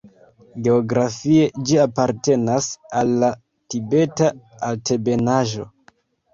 Geografie ĝi apartenas al la Tibeta altebenaĵo.